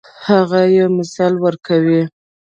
هغه یو مثال ورکوي.